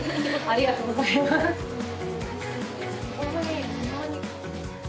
ありがとうございます。